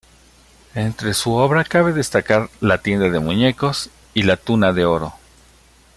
Entre su obra cabe destacar "La Tienda de Muñecos" y "La Tuna de Oro".